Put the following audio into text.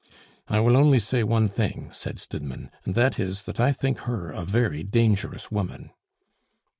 "I will only say one thing," said Stidmann, "and that is, that I think her a very dangerous woman."